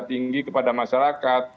tinggi kepada masyarakat